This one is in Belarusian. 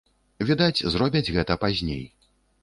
Відаць, зробяць гэта пазней.